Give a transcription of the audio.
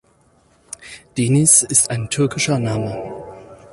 Deniz ist ein türkischer Name.